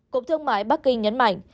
cộng thương mại bắc kinh nhấn mạnh